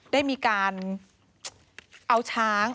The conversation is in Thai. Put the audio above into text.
ได้มีการเอาช้าง